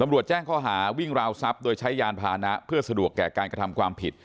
แจ้งข้อหาวิ่งราวทรัพย์โดยใช้ยานพานะเพื่อสะดวกแก่การกระทำความผิด